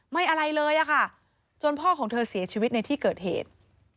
อะไรเลยอะค่ะจนพ่อของเธอเสียชีวิตในที่เกิดเหตุ